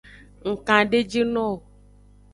Ng kandejinowo.